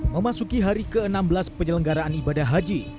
memasuki hari ke enam belas penyelenggaraan ibadah haji